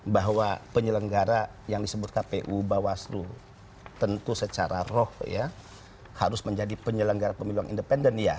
bahwa penyelenggara yang disebut kpu bawaslu tentu secara roh harus menjadi penyelenggara pemilu yang independen ya